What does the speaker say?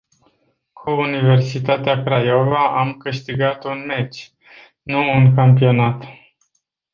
Cu Universitatea Craiova am câștigat un meci, nu un campionat.